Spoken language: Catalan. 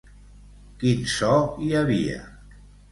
Quin so hi havia?